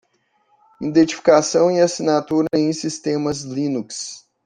Identificação e assinatura em sistemas Linux.